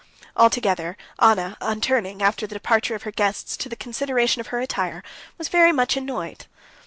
Altogether, Anna, on turning, after the departure of her guests, to the consideration of her attire, was very much annoyed.